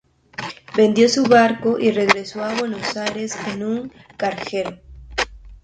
Vendió su barco y regresó a Buenos Aires en un carguero.